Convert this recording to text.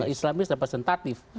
islamis dan presentatif